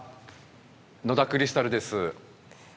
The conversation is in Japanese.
野田クリスタルです。